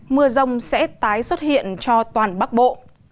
mưa rông sẽ tái xuất hiện cho toàn bắc bộ